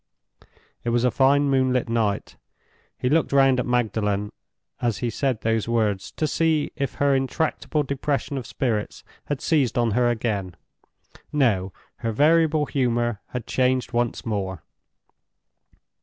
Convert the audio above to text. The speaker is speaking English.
It was a fine moonlight night. He looked round at Magdalen, as he said those words, to see if her intractable depression of spirits had seized on her again. No! her variable humor had changed once more.